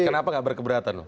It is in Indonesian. kenapa gak berkeberatan